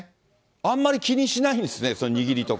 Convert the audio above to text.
あんまり気にしないんですね、握りとか。